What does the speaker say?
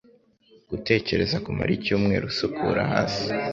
gutekereza kumara icyumweru usukura hasi.”